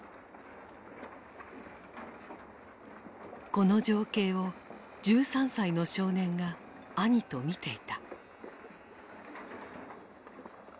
この情景を１３歳の少年が兄と見ていた。